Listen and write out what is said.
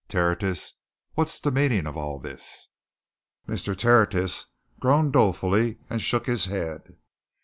Tertius what's the meaning of all this?" Mr. Tertius groaned dolefully and shook his head.